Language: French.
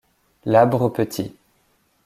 Labre petit.